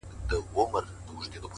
یو سړی سهار له کوره وو وتلی -